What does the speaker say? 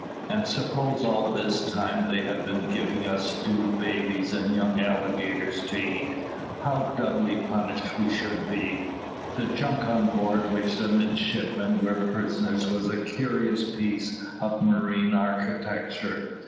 "And suppose all this time they have been giving us stewed babies and young alligators to eat, how doubly punished we should be." The junk on board which the midshipmen were prisoners was a curious piece of marine architecture.